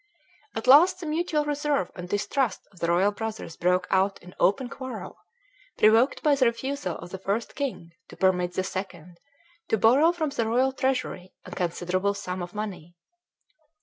At last the mutual reserve and distrust of the royal brothers broke out in open quarrel, provoked by the refusal of the First King to permit the Second to borrow from the royal treasury a considerable sum of money.